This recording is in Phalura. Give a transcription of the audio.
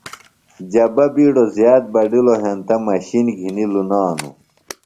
جبہ بِیڈو زِیات بڈِلوۡ ہینتہ مشِن گِھنیۡ لُنانوۡ۔